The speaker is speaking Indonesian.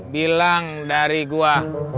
bilang dari gua